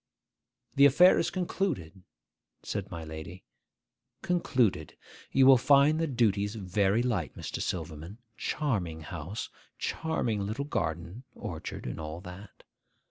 'The affair is concluded,' said my lady; 'concluded. You will find the duties very light, Mr. Silverman. Charming house; charming little garden, orchard, and all that.